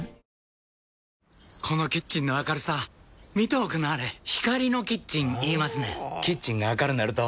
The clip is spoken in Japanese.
このキッチンの明るさ見ておくんなはれ光のキッチン言いますねんほぉキッチンが明るなると・・・